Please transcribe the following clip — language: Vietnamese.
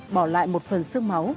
bỏ lại một phần sương máu